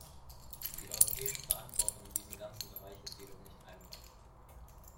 Die europäische Verantwortung in diesem ganzen Bereich ist jedoch nicht einfach.